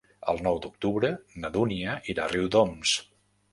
El nou d'octubre na Dúnia irà a Riudoms.